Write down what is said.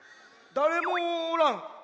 だれもおらん。